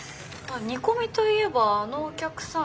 煮込みといえばあのお客さん